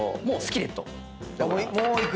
もういく？